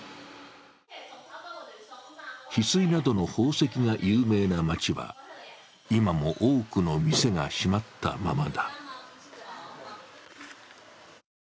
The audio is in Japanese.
ひすいなどの宝石が有名な街は、今も多くの店が閉まったままだ。